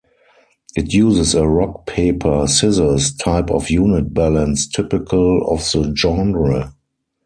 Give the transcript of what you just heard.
It uses a rock-paper-scissors type of unit balance typical of the genre.